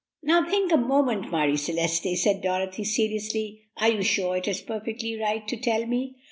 "Now, think a moment, Marie Celeste," said Dorothy seriously; "are you sure it is perfectly right to tell me?"